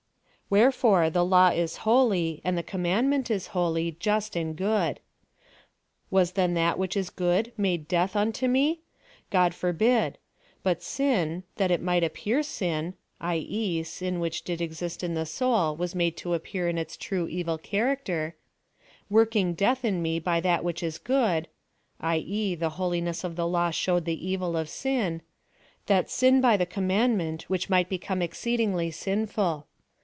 Wherefore the law is iioly, and the commandment is holy, just and good. Was then that wliich is good made death unto me ? God forbid. But 9in, that it might appear sin, (i. e. sin which did exist in the soul, was made to appear in its true evil character) working death in me by that which is good, (i. e. the holiness of the law showed the evil of sin,) that sin by the commandment mighi become es ceedingly sinful.